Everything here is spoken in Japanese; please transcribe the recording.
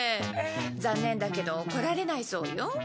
残念だけど来られないそうよ。